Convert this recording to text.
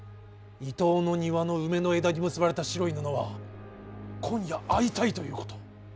伊東の庭の梅の枝に結ばれた白い布は今夜会いたいということ。